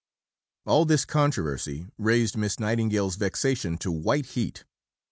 III All this controversy raised Miss Nightingale's vexation to white heat.